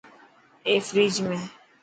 اي فريج ۾.